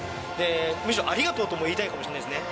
むしろありがとうとも言いたいかもしれないですね。